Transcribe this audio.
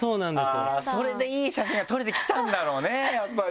それでいい写真が撮れてきたんだろうねやっぱり。